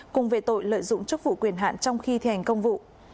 cùng về tội lợi dụng chức vụ quyền hạn trong khi thành công vụ